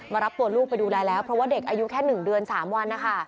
มารับตัวลูกไปดูแลแล้วเพราะว่าเด็กอายุแค่หนึ่งเดือนสามวัน